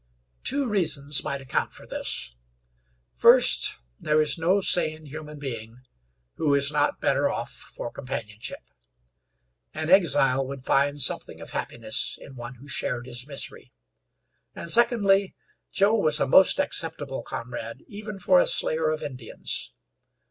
Two reasons might account for this: First, there is no sane human being who is not better off for companionship. An exile would find something of happiness in one who shared his misery. And, secondly, Joe was a most acceptable comrade, even for a slayer of Indians.